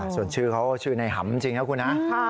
ส่วนชื่อเขาชื่อในหำจริงนะคุณนะ